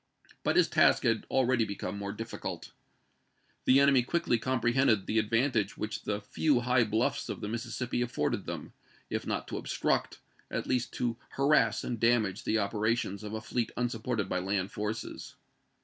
But his task had already become more difficult. The enemy quickly comprehended the advantage which the few high bluffs of the Mississippi afforded them, if not to obstruct, at least to harass and damage the operations of a fleet unsupported by land forces.